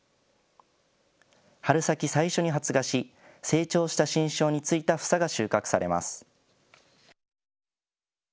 春先、最初に発芽し、成長した新梢についた房が収穫されます。